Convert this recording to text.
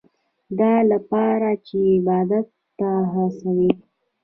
دا لپاره چې عبادت ته هڅوي.